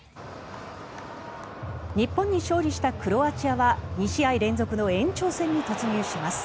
日本に勝利したクロアチアは２試合連続の延長戦に突入します。